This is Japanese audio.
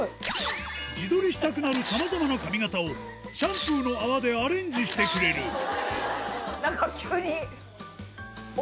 自撮りしたくなるさまざまな髪形をシャンプーの泡でアレンジしてくれるなんか急に。